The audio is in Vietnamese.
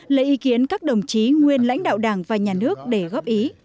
lấy ý kiến các đồng chí nguyên lãnh đạo đảng và nhà nước để góp ý